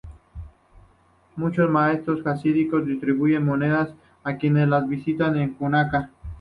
Muchos maestros jasídicos distribuyen monedas a quienes los visitan en Janucá.